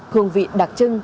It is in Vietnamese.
thưởng vị đặc trưng